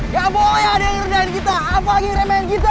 gak boleh ada yang nerdehkan kita apa lagi remehnya kita